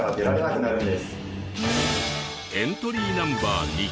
エントリーナンバー２